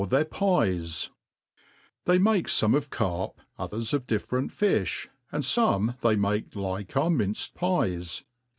For tUir Pies, THEY make fome of carp ^ others of different fifli : and fome fhey make« like our minced pies, viz.